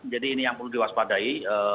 jadi ini yang perlu diwaspadai